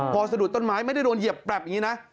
พอสะดุดต้นไม้ไม่ได้โดนเหยียบแปรบอย่างนี้นะ